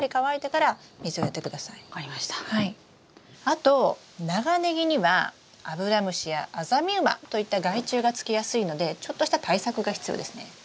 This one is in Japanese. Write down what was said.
あと長ネギにはアブラムシやアザミウマといった害虫がつきやすいのでちょっとした対策が必要ですね。